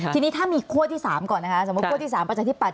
ทีนี้ถ้ามีขั้วที่๓ก่อนนะคะสมมุติขั้วที่๓ประชาธิปัต